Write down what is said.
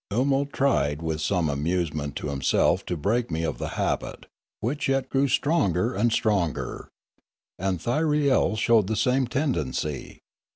Oolmo tried with some amusement to himself to break me of the habit, which yet grew stronger and stronger. And Thyriel showed the same tendency.